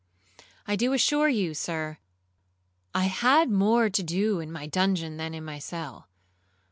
I do assure you, Sir, I had more to do in my dungeon than in my cell.